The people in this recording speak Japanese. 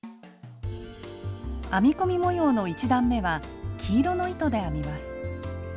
編み込み模様の１段めは黄色の糸で編みます。